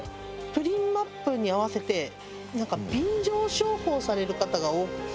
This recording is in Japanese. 『プリンマップ』に合わせて便乗商法される方が多くて。